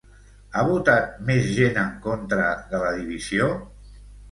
Ha votat més gent en contra de la divisió?